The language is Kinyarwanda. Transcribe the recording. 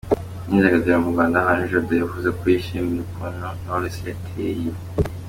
imyidagaduro mu Rwanda, Henri Jado yavuze ko yishimiye ukuntu Knowless yateye.